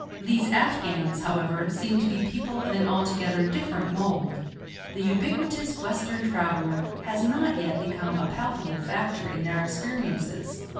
These Afghans, however, seem to be people of an altogether different mould; the ubiquitous Western traveller has not yet become a palpable factor in their experiences.